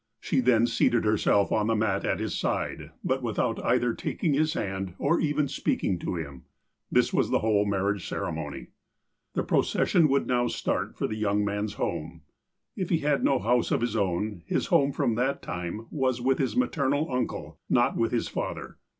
She then seated herself on the mat at his side, but without either taking his hand, or even speaking to him. This was the whole of the marriage ceremony. The procession would now start for the young man's home. (If he had no house of his own, his home from that time was with his maternal uncle, not with his father.)